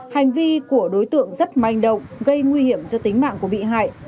hành vi của đối tượng rất manh động gây nguy hiểm cho tính mạng của bị hại